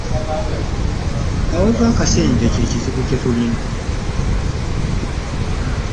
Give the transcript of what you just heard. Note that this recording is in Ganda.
Awava akasente kye kizibu kye tulina.